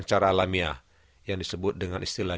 secara alamiah yang disebut dengan istilah